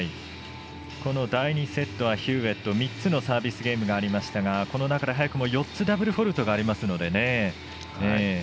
この第２セットはヒューウェット３つのサービスゲームがありましたがこの中で早くも４つダブルフォールトがありますので。